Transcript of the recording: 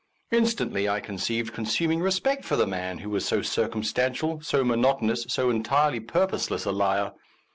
Instantly I conceived consuming respect for the man who was so circum stantial, so monotonous, so entirely pur poseless a liar.